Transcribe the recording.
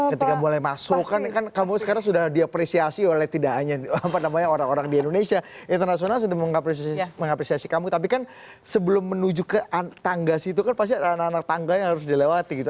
ketika mulai masuk kan kamu sekarang sudah diapresiasi oleh tidak hanya orang orang di indonesia internasional sudah mengapresiasi kamu tapi kan sebelum menuju ke tangga situ kan pasti ada anak anak tangga yang harus dilewati gitu